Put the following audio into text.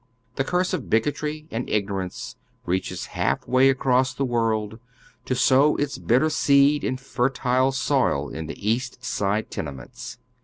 The curse of bigotry and ignorance reaches half way across the world, to sow its bitter seed in fertile soil in the East Side tenements.